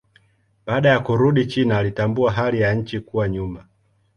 Baada ya kurudi China alitambua hali ya nchi kuwa nyuma.